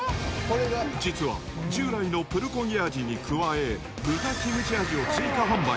実は従来のプルコギ味に加え、豚キムチ味を追加販売。